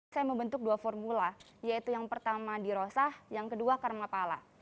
saya membentuk dua formula yaitu yang pertama dirosah yang kedua karmapala